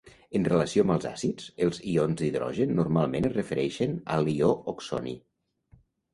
En relació amb els àcids, els ions d'hidrogen normalment es refereixen a l'ió oxoni.